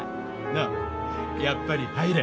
のうやっぱり入れ。